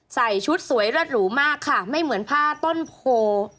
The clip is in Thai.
ใส่ชุดสวยเลิศหรูมากค่ะไม่เหมือนผ้าต้นโพ